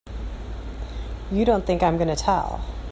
You don't think I'm gonna tell!